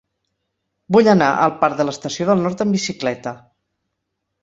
Vull anar al parc de l'Estació del Nord amb bicicleta.